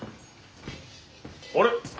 あれ？